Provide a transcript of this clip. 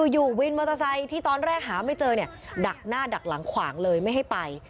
อยู่วินมอเตอร์ไซค์ที่ตอนแรกหาไม่เจอเนี่ยดักหน้าดักหลังขวางเลยไม่ให้ไป